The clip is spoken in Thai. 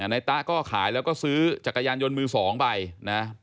ในตะก็ขายแล้วก็ซื้อจักรยานยนต์มือสองไปนะ